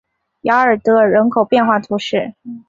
雅尔德尔人口变化图示